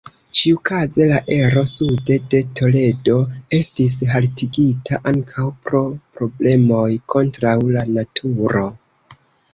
Ĉiukaze la ero sude de Toledo estis haltigita ankaŭ pro problemoj kontraŭ la naturo.